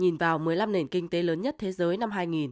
nhìn vào một mươi năm nền kinh tế lớn nhất thế giới năm hai nghìn